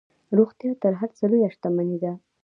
روغتیا تر هر څه لویه شتمني ده.